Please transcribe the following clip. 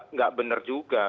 nggak benar juga